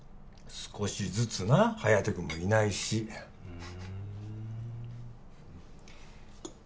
少しずつな颯君もいないしふん